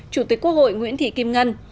chủ tịch quốc hội nguyễn thị kim ngân